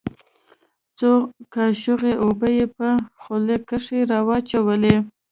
څو کاشوغه اوبه يې په خوله کښې راواچولې.